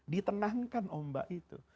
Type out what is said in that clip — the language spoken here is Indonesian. ditenangkan ombak itu